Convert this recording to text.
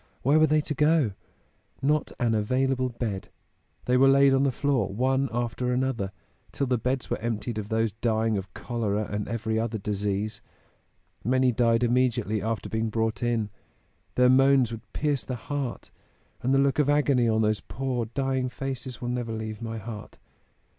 Where were they to go? Not an available bed. They were laid on the floor one after another, till the beds were emptied of those dying of cholera and every other disease. Many died immediately after being brought in their moans would pierce the heart and the look of agony on those poor dying faces will never leave my heart.